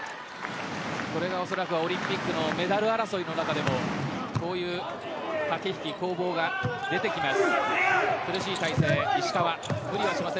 おそらくオリンピックのメダル争いの中でもこういう駆け引き、攻防が出てきます。